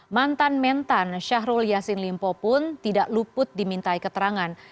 mantan mentan syahrul yassin limpo pun tidak luput dimintai keterangan